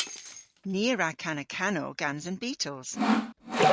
Ni a wra kana kanow gans an Beatles.